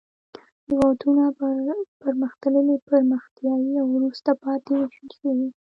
هېوادونه په پرمختللي، پرمختیایي او وروسته پاتې ویشل شوي.